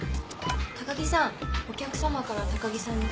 高木さんお客さまから高木さんに。